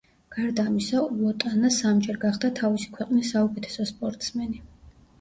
გარდა ამისა, უოტანა სამჯერ გახდა თავისი ქვეყნის საუკეთესო სპორტსმენი.